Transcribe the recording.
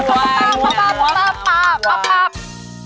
ป๊าป๊าป๊าป๊าป๊า